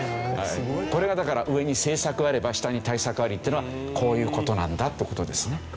これがだから「上に政策あれば下に対策あり」っていうのはこういう事なんだって事ですね。